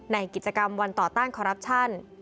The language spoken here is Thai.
ในกิจกรรมวันต่อต้านคอรัปชั่น